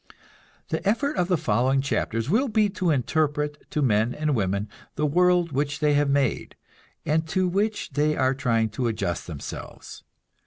The effort of the following chapters will be to interpret to men and women the world which they have made, and to which they are trying to adjust themselves.